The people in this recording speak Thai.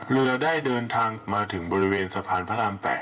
เรือได้เดินทางมาถึงบริเวณสะพานพระราม๘